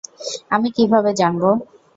আমি কীভাবে জানবো?